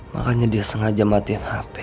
makanya dia sengaja matiin hp